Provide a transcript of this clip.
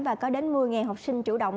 và có đến một mươi học sinh chủ động